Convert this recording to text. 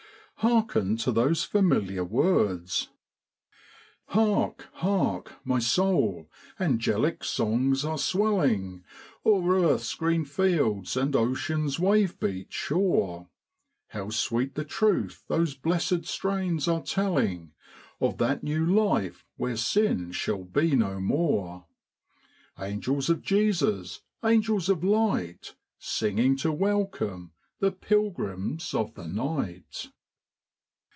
Hearken to those familiar words 'Hark ! hark! my soul: angelic songs are swelling O'er earth's green fields and ocean's wave beat shore: How sweet the truth those blessed strains are telling Of that new life where sin shall be no more. Angels of Jesus, angels of light Singing to welcome the pilgrims of the night.'